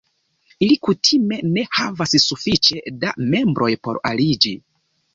Ili kutime ne havas sufiĉe da membroj por aliĝi.